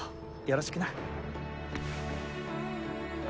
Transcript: よろしくな！